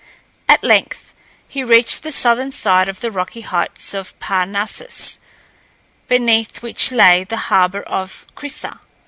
At length he reached the southern side of the rocky heights of Parnassus, beneath which lay the harbour of Crissa.